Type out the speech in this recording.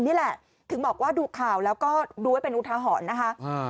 นี่แหละถึงบอกว่าดูข่าวแล้วก็ดูไว้เป็นอุทาหรณ์นะคะ